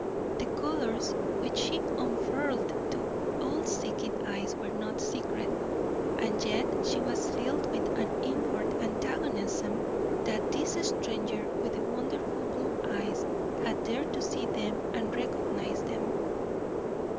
The colours which she unfurled to all seeking eyes were not secret, and yet she was filled with an inward antagonism that this stranger with the wonderful blue eyes had dared to see them and recognize them.